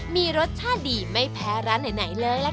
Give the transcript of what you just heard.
มีรสชาติดีไม่แพ้ร้านไหนเลยล่ะค่ะ